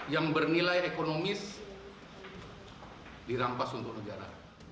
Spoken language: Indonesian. yang bernilai ekonomis dirampas untuk negara